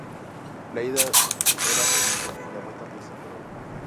La ida era Melilla y la vuelta Plaza Colón.